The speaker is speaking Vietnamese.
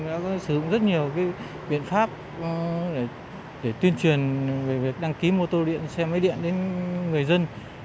đã sử dụng rất nhiều biện pháp để tuyên truyền về việc đăng ký mô tô xe máy điện đến người dân